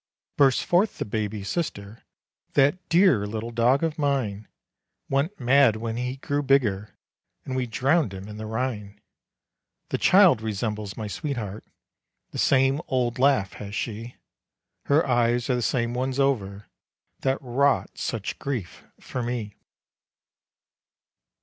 Burst forth the baby sister, "That dear little dog of mine Went mad when he grew bigger, And we drowned him in the Rhine." The child resembles my sweetheart, The same old laugh has she; Her eyes are the same ones over, That wrought such grief for me.